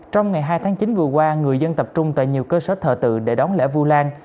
trong ngày hai tháng chín vừa qua người dân tập trung tại nhiều cơ sở thờ tự để đón lễ vu lan